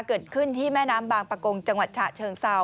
เกิดขึ้นที่แม่น้ำบางประกงจังหวัดฉะเชิงเซา